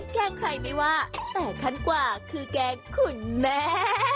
แกล้งใครไม่ว่าแต่ขั้นกว่าคือแกล้งคุณแม่